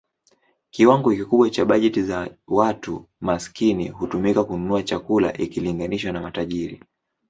Kiwango kikubwa cha bajeti za watu maskini hutumika kununua chakula ikilinganishwa na matajiri.